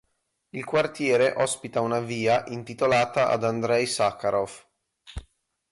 Il quartiere ospita una via intitolata ad Andrej Sacharov.